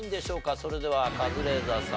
それではカズレーザーさん